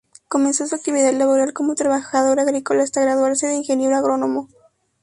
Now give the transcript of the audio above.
Comenzó su actividad laboral como trabajador agrícola hasta graduarse de ingeniero agrónomo.